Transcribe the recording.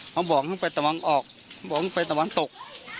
เขาบอกเขาไปตะวันออกเขาบอกเขาไปตะวันตก